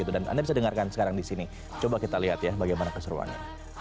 dan anda bisa dengarkan sekarang di sini coba kita lihat ya bagaimana keseruannya